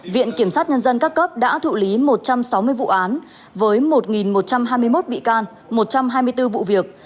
viện kiểm sát nhân dân các cấp đã thụ lý một trăm sáu mươi vụ án với một một trăm hai mươi một bị can một trăm hai mươi bốn vụ việc